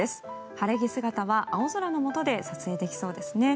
晴れ着姿は青空のもとで撮影できそうですね。